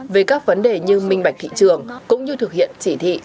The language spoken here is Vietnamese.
về các vấn đề như minh bạch thị trường cũng như thực hiện chỉ thị